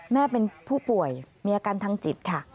แม่เป็นผู้ป่วยมีอาการทางจิตค่ะ